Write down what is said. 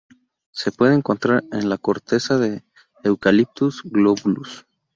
Se puede encontrar en la corteza de "Eucalyptus globulus".